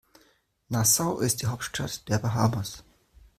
Nassau ist die Hauptstadt der Bahamas.